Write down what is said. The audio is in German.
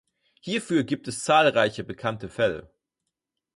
Hierfür gibt es zahlreiche bekannte Fälle.